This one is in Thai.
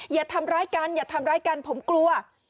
อย่าทำร้ายกันอย่าทำร้ายกันผมกลัว